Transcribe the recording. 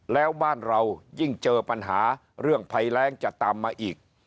แล้วบ้านเรายิ่งเจอปัญหาเรื่องภัยแรงจะตามมาอีก